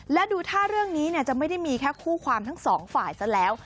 และดูท่าเรื่องนี้จะไม่ได้มีแค่คู่ความทั้งสองฝ่ายซะแล้ว